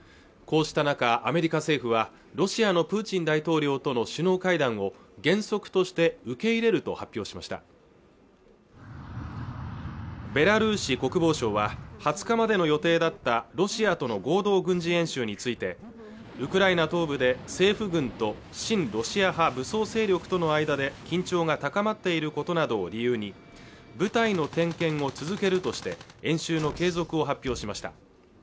こうした中アメリカ政府はロシアのプーチン大統領との首脳会談を原則として受け入れると発表しましたベラルーシ国防省は２０日までの予定だったロシアとの合同軍事演習についてウクライナ東部で政府軍と親ロシア派武装勢力との間で緊張が高まっていることなどを理由に部隊の点検を続けるとして演習の継続を発表しました